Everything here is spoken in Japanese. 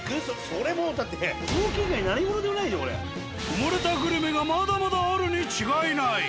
それもうだって埋もれたグルメがまだまだあるに違いない。